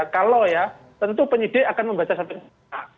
kalau ya tentu penyidik akan membaca satu hal